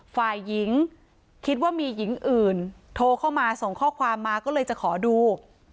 ฝ่ายหญิงคิดว่ามีหญิงอื่นโทรเข้ามาส่งข้อความมาก็เลยจะขอดู